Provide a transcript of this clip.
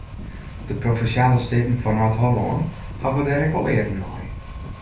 De Provinsjale Steaten fan Noard-Hollân hawwe dêr ek wol earen nei.